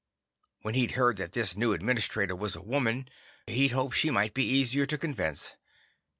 When he'd heard that this new administrator was a woman, he'd hoped she might be easier to convince.